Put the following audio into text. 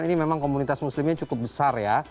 di jerman ini memang komunitas muslimnya cukup besar ya